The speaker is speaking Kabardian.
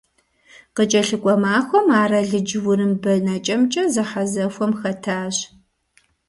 КъыкӀэлъыкӀуэ махуэм ар алыдж-урым бэнэкӀэмкӀэ зэхьэзэхуэм хэтащ.